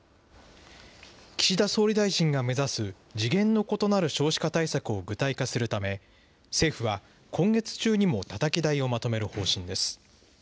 岸田総理大臣が目指す、次元の異なる少子化対策を具体化するため、政府は今月中にも、たたき台をまとめる方針です。